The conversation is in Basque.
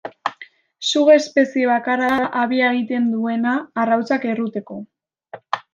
Suge-espezie bakarra da habia egiten duena arrautzak erruteko.